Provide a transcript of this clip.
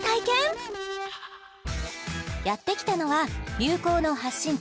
やってきたのは流行の発信地